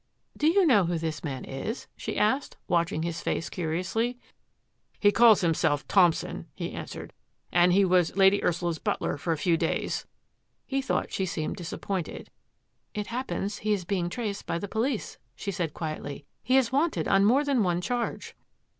"Do you know who this man is?" she asked, watching his face curiously. " He calls himself Thompson," he answered, " and he was Lady Ursula's butler for a few days." He thought she seemed disappointed. " It happens he is being traced by the police," she said quietly. " He is wanted on more than one charge."